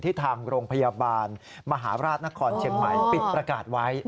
ทางโรงพยาบาลมหาราชนครเชียงใหม่ปิดประกาศไว้